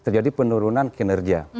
jadi penurunan kinerja